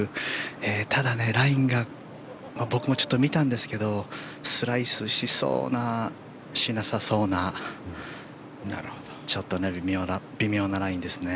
ただ、ラインが僕もちょっと見たんですけどスライスしそうな、しなさそうなちょっと微妙なラインですね。